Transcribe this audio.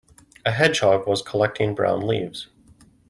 A hedgehog was collecting brown leaves.